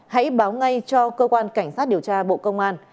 hãy báo ngay cho cơ quan cảnh sát điều tra bộ công an